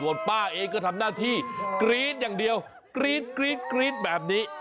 ส่วนป้าเองก็ทำหน้าที่กรี๊ดอย่างเดียวกรี๊ดกรี๊ดแบบนี้